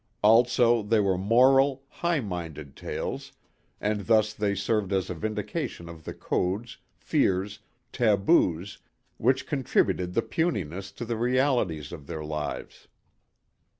Also they were moral, high minded tales and thus they served as a vindication of the codes, fears, taboos which contributed the puniness to the realities of their lives.